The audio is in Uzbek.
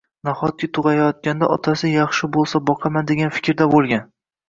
Nahotki, tug`ayotganda otasi yaxshi bo`lsa boqaman degan fikrda bo`lgan